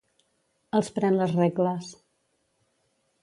Els pren les regles.